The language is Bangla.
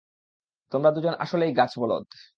তোমরা দুজন আসলেই গাছ-বলদ!